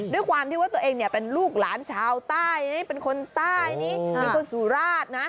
ด้วยความที่ว่าตัวเองเนี่ยเป็นลูกหลานชาวใต้เป็นคนใต้นี่เป็นคนสุราชนะ